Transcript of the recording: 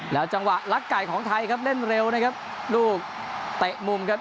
แล้วจังหวะลักไก่ของไทยครับเล่นเร็วนะครับลูกเตะมุมครับ